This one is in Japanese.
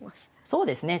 そうですね